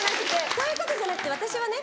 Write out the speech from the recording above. そういうことじゃなくて私はね